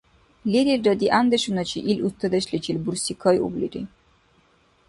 Лерилра дигӀяндешуначи ил устадешличил бурсикайублири.